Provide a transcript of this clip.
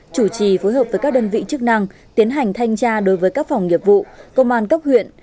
chủ trì phối hợp với các đơn vị chức năng tiến hành thanh tra đối với các phòng nghiệp vụ công an cấp huyện